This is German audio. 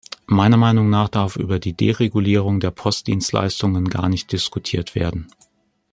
Meiner Meinung nach darf über die Deregulierung der Postdienstleistungen gar nicht diskutiert werden.